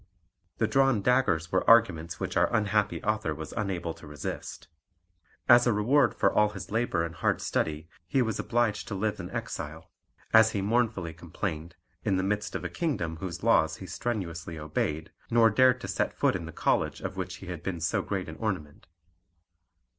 The drawn daggers were arguments which our unhappy author was unable to resist. As a reward for all his labour and hard study he was obliged to live as an exile, as he mournfully complained, in the midst of a kingdom whose laws he strenuously obeyed, nor dared to set foot in the college of which he had been so great an ornament.